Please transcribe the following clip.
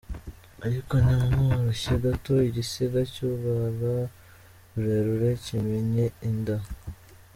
Ariko nimumworoshye gato, “igisiga cy’urwara rurerure cyimennye inda”!